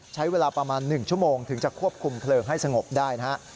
ใช้เวลาประมาณ๑ชั่วโมงถึงจะควบคุมเพลิงให้สงบได้นะครับ